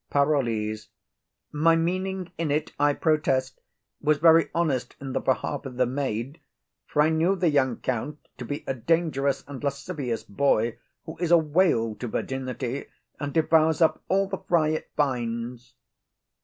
PAROLLES. My meaning in't, I protest, was very honest in the behalf of the maid; for I knew the young count to be a dangerous and lascivious boy, who is a whale to virginity, and devours up all the fry it finds.